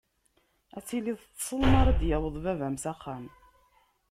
Ad tiliḍ teṭṭseḍ mara d-yaweḍ baba-m s axxam.